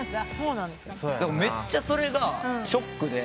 だからめっちゃそれがショックで。